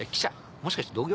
もしかして同業？